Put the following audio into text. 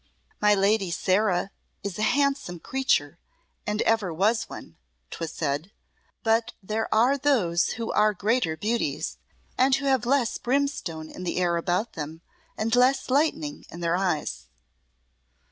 "My Lady Sarah is a handsome creature, and ever was one," 'twas said, "but there are those who are greater beauties, and who have less brimstone in the air about them and less lightning in their eyes."